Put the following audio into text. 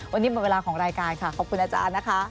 วันนี้หมดเวลาของรายการค่ะขอบคุณอาจารย์นะคะ